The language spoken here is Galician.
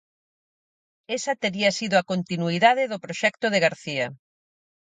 Esa tería sido a continuidade do proxecto de García.